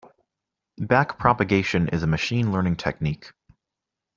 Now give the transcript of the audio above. Back-propagation is a machine learning technique.